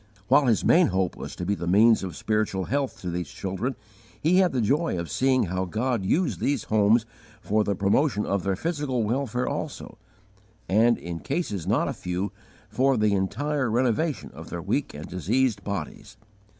While his main hope was to be the means of spiritual health to these children, he had the joy of seeing how God used these homes for the promotion of their physical welfare also, and, in cases not a few, for the entire renovation of their weak and diseased bodies.